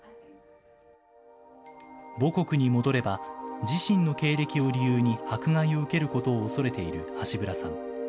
母国に戻れば、自身の経歴を理由に迫害を受けることを恐れているハシブラさん。